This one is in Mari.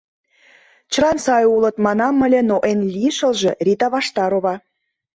Чылан сай улыт, манам ыле, но эн лишылже — Рита Ваштарова!